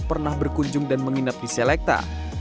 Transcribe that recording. pernah berkunjung dan menginap di selekta